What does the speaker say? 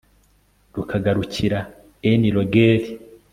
rukagarukira eni rogeli